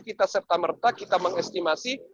kita serta merta mengestimasi